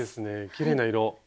きれいな色。